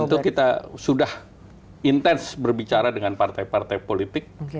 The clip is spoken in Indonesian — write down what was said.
tentu kita sudah intens berbicara dengan partai partai politik